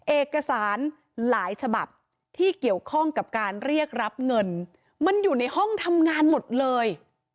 เอกสารหลายฉบับที่เกี่ยวข้องกับการเรียกรับเงินมันอยู่ในห้องทำงานหมดเลย